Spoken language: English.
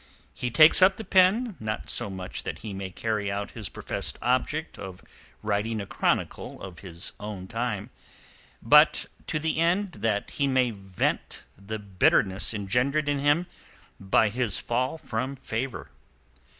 He takes up the pen, not so much that he may carry out his professed object of writing a chronicle of his own time, but to the end that he may vent the bitterness engendered in him by his fall from favour.